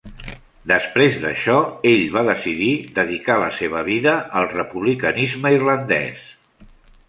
Després d'això, ell va decidir dedicar la seva vida al republicanisme irlandès.